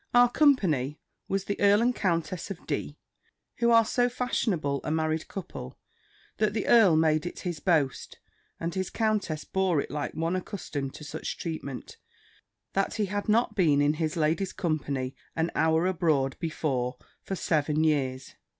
Our company was, the Earl and Countess of D., who are so fashionable a married couple, that the earl made it his boast, and his countess bore it like one accustomed to such treatment, that he had not been in his lady's company an hour abroad before for seven years.